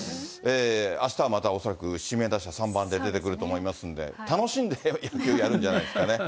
あしたはまた恐らく指名打者、３番で出てくると思いますんで、楽しんで野球やるんじゃないですかね。